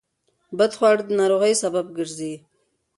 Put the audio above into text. بدخواړه د ناروغیو سبب ګرځي.